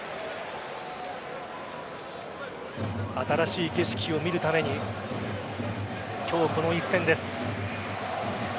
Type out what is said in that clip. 新しい景色を見るために今日この一戦です。